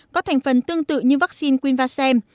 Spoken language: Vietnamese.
có thành phần tương tự như vaccine quinvasem